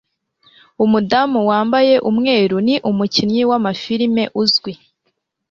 Umudamu wambaye umweru ni umukinnyi w'amafirime uzwi.